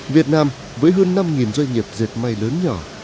việt nam với hơn năm doanh nghiệp dệt may lớn nhỏ